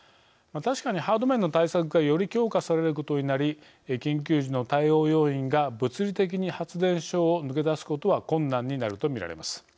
確かにハード面の対策がより強化されることになり緊急時の対応要員が物理的に発電所を抜け出すことは困難になるとみられます。